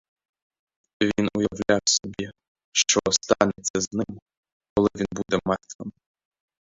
Він уявляв собі, що станеться з ним, коли він буде мертвим.